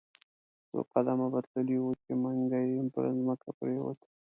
څو قدمه به تللی وو، چې منګی پر مځکه پریووت.